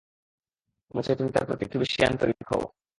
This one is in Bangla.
আমি চাই তুমি তার প্রতি একটু বেশি আন্তরিক হও।